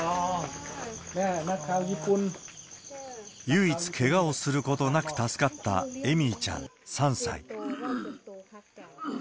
唯一けがをすることなく助かったエミーちゃん３歳。